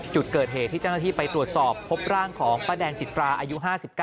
จุดเกิดเหตุที่เจ้าหน้าที่ไปตรวจสอบพบร่างของป้าแดงจิตราอายุ๕๙